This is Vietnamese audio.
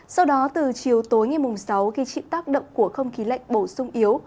sau đó từ chiều tối ngày mùng sáu khi chịu tác động của không khí lạnh bổ sung yếu